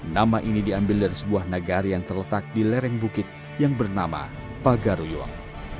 nama ini diambil dari sebuah nagari yang terletak di lereng bukit yang bernama pagaruyuang